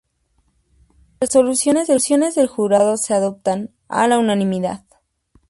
Las resoluciones del jurado se adoptan por unanimidad.